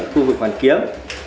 khu vực hoàn kiếm